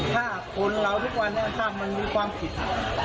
ถ้าคนเราทุกวันนี้ถ้ามันมีความผิด